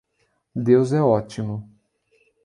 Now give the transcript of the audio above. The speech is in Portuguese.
Deus é ótimo.